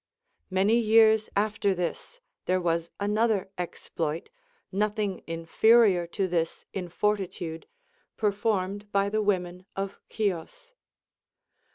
Many years after this there was another exploit, nothing inferior to this in fortitude, performed by the women of Chios.